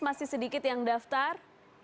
masih sedikit yang daftar